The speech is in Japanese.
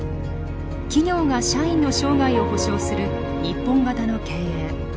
企業が社員の生涯を保障する日本型の経営。